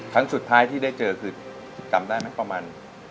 ครั้งสุดท้ายที่ได้เจอคือจำได้ไหมประมาณ